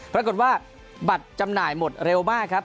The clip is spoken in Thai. ปรากฏว่าบัตรจำหน่ายหมดเร็วมากครับ